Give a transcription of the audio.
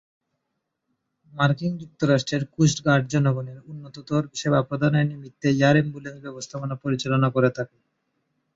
মার্কিন যুক্তরাষ্ট্রে coast guard জনগণের উন্নততর সেবা প্রদানের নিমিত্তে এয়ার অ্যাম্বুলেন্স ব্যবস্থাপনা পরিচালনা করে থাকে।